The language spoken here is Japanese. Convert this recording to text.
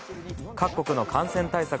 各国の感染対策